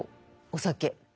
お酒。